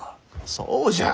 そうじゃ。